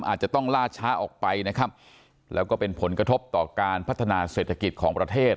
อาจจะต้องล่าช้าออกไปนะครับแล้วก็เป็นผลกระทบต่อการพัฒนาเศรษฐกิจของประเทศ